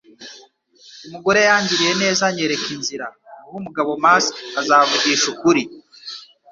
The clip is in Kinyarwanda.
Umugore yangiriye neza anyereka inzira. Guha umugabo mask azavugisha ukuri.